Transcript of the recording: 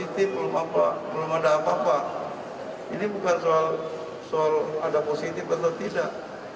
tidak positif atau tidak